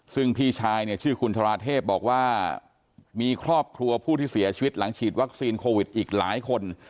ซึ่งพี่ชายเนี่ยชื่อคุณธราเทพบอกว่ามีครอบครัวผู้ที่เสียชีวิตหลังฉีดวัคซีนโควิดอีกหลายคน